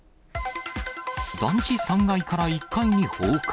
団地３階から１階に放火。